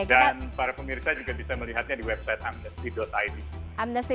dan para pemirsa juga bisa melihatnya di website amnesty id